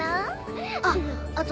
あっあと